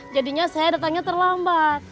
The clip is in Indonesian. jadinya saya datangnya terlambat